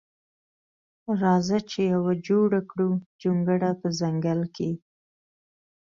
راخه چی یوه جوړه کړو جونګړه په ځنګل کی.